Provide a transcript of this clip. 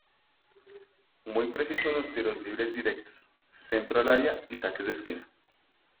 Muy preciso en los tiros libres directos, centros al area y saques de esquina.